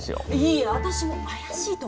いえ私も怪しいと思いました。